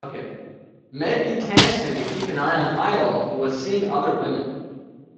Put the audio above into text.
Medb tasked him to keep an eye on Ailill, who was seeing other women.